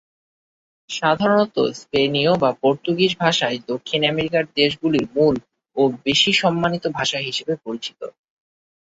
সাধারণত স্পেনীয় বা পর্তুগিজ ভাষাই দক্ষিণ আমেরিকার দেশগুলির মূল ও বেশি সম্মানিত ভাষা হিসেবে প্রচলিত।